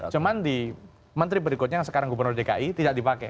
cuman di menteri berikutnya yang sekarang gubernur dki tidak dipakai